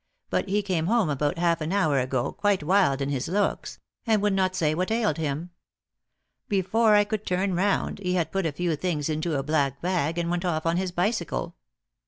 But he came home about half an hour ago quite wild in his looks, and would not say what ailed him. Before I could turn round, he had put a few things into a black bag, and went off on his bicycle."